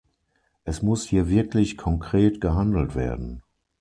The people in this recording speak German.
Es muss hier wirklich konkret gehandelt werden.